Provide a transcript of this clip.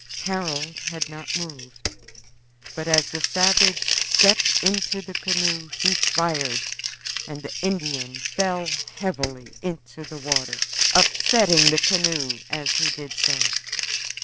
Harold had not moved, but as the savage stepped into the canoe he fired, and the Indian fell heavily into the water, upsetting the canoe as he did so.